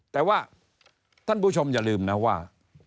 แต่ว่าท่านผู้ชมอย่าลืมนะว่า